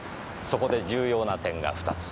そこで重要な点が２つ。